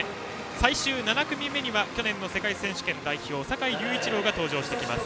最終７組目には去年の世界選手権代表坂井隆一郎が登場してきます。